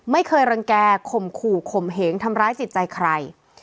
ไม่เคยรังแก่ข่มขู่ข่มเหงทำร้ายจิตใจใคร